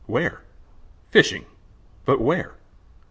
"Where?" "Fishing." "But where?"